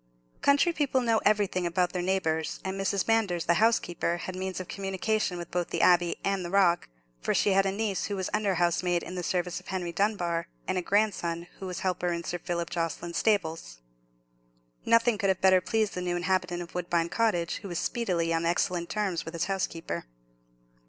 Country people know everything about their neighbours; and Mrs. Manders, the housekeeper, had means of communication with both "the Abbey" and "the Rock;" for she had a niece who was under housemaid in the service of Henry Dunbar, and a grandson who was a helper in Sir Philip Jocelyn's stables. Nothing could have better pleased the new inhabitant of Woodbine Cottage, who was speedily on excellent terms with his housekeeper.